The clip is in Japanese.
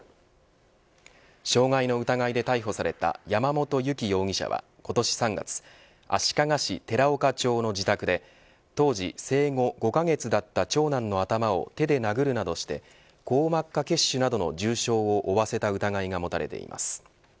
傷害の疑いで逮捕された山本由貴容疑者は今年３月足利市寺岡町の自宅で当時生後５カ月だった長男の頭を手で殴るなどして硬膜下血腫などの重傷を負わせた疑いが持たれています。